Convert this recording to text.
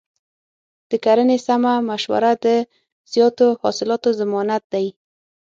د کرنې سمه مشوره د زیاتو حاصلاتو ضمانت دی.